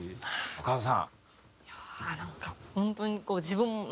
川田さん。